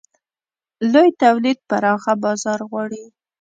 لوی تولید پراخه بازار غواړي.